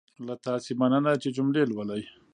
له تاسې مننه چې جملې لولئ.